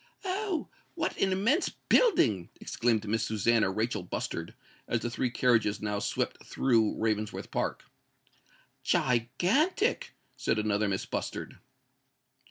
"Oh! what an immense building!" exclaimed Miss Susannah Rachel Bustard, as the three carriages now swept through Ravensworth Park. "Gigantic!" said another Miss Bustard.